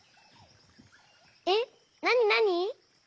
えっなになに？